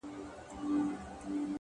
مرغۍ الوتې وه!! خالي قفس ته ودرېدم !!